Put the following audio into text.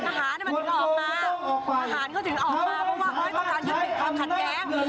ทหารมันถึงออกมาทหารก็ถึงออกมาเพราะว่าเพราะว่าต้องการยุคลิกความขัดแย้ง